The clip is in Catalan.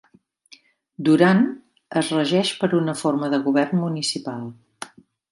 Durant es regeix per una forma de govern municipal.